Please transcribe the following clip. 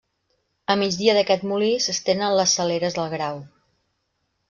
A migdia d'aquest molí s'estenen les Saleres del Grau.